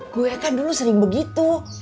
gue kan dulu sering begitu